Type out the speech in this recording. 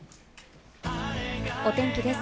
お天気です。